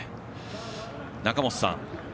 中本さん